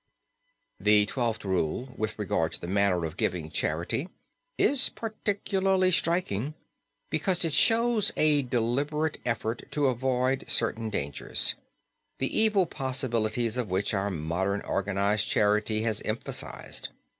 This twelfth rule with regard to the manner of giving charity is particularly striking, because it shows a deliberate effort to avoid certain dangers, the evil possibilities of which our modern organized charity has emphasized.